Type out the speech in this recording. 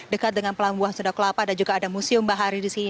dekat dengan pelambuhan sudak lapa dan juga ada museum bahari di sini